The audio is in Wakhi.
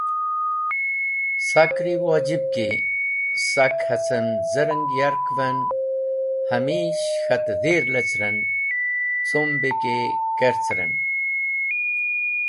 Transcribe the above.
Sakri wojib ki sak hacem z̃ereng yark’v en hamish k̃hat dhir leceren, cum be ki keceren.